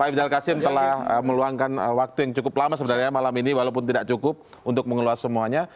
pak ifdal kasim telah meluangkan waktu yang cukup lama sebenarnya malam ini walaupun tidak cukup untuk mengeluas semuanya